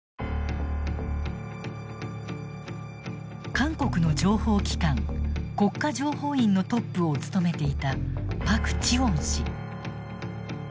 韓国の情報機関国家情報院のトップを務めていたパク・チウォン氏。